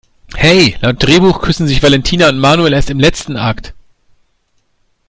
He, laut Drehbuch küssen sich Valentina und Manuel erst im letzten Akt!